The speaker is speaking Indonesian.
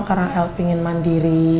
karena el pengen mandiri